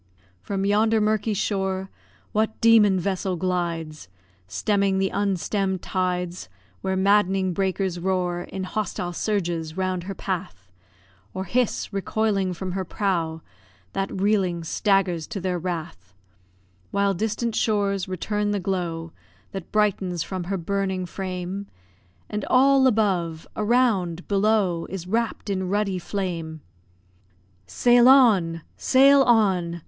From yonder murky shore What demon vessel glides, Stemming the unstemm'd tides, Where maddening breakers roar In hostile surges round her path, Or hiss, recoiling from her prow, That reeling, staggers to their wrath; While distant shores return the glow That brightens from her burning frame, And all above around below Is wrapt in ruddy flame? Sail on! sail on!